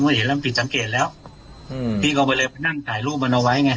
เห็นแล้วมันผิดสังเกตแล้วอืมพี่เขาก็เลยไปนั่งถ่ายรูปมันเอาไว้ไง